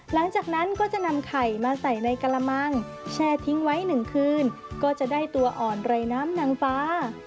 หลังจากนั้นก็จะนำไข่มาใส่ในกระมังแช่ทิ้งไว้๑คืนก็จะได้ตัวอ่อนไรน้ำนางฟ้า